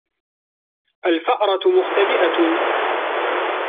الْفَأْرَةُ مُخْتَبِئَةٌ.